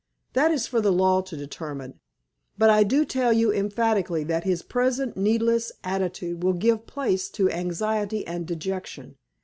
That is for the law to determine. But I do tell you emphatically that his present heedless attitude will give place to anxiety and dejection.